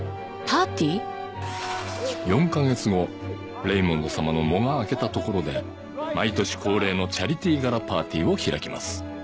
４カ月後レイモンドさまの喪が明けたところで毎年恒例のチャリティーガラパーティーを開きます。